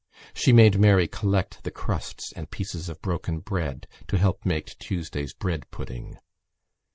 She made Mary collect the crusts and pieces of broken bread to help to make Tuesday's bread pudding.